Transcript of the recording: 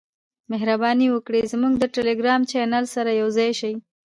مهرباني وکړئ زموږ د ټیلیګرام چینل سره یوځای شئ .